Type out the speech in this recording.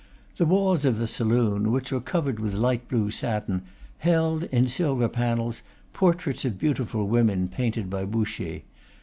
The walls of the saloon, which were covered with light blue satin, held, in silver panels, portraits of beautiful women, painted by Boucher.